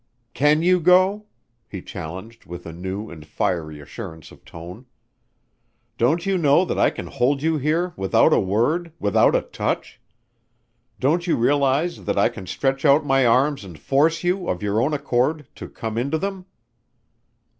"Can you go?" he challenged with a new and fiery assurance of tone. "Don't you know that I can hold you here, without a word, without a touch? Don't you realize that I can stretch out my arms and force you, of your own accord, to come into them?"